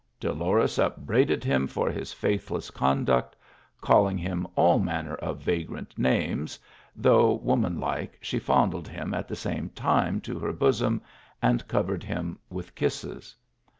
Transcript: Dolores upbraided him for his faithless conduct, calling him all manner of vagrant names, though woman like, she fondled him at the same time to her bosom and covered him with kisses.